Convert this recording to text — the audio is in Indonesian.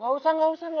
gak usah gak usah